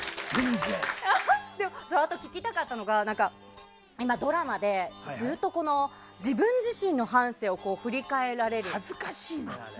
あと、聞きたかったのが今ドラマでずっと自分自身の半生を振り返られる。